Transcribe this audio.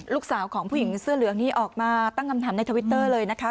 ลูกสาวของผู้หญิงเสื้อเหลืองนี้ออกมาตั้งคำถามในทวิตเตอร์เลยนะคะ